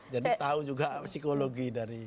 jadi tahu juga psikologi dari